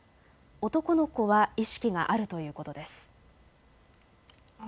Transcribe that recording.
男の子は意識があるということです。